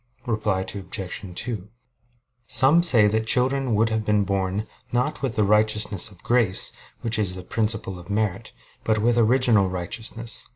Reply Obj. 2: Some say that children would have been born, not with the righteousness of grace, which is the principle of merit, but with original righteousness.